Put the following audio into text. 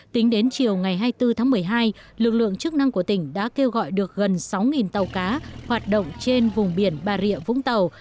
tính đến chiều ngày hai mươi bốn tháng một mươi hai lực lượng chức năng của tỉnh đã kêu gọi được gần sáu tàu cá hoạt động trên vùng biển bà rịa vũng tàu